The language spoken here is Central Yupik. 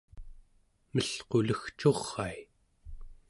melqulegcurai